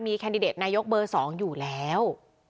แคนดิเดตนายกเบอร์๒อยู่แล้ว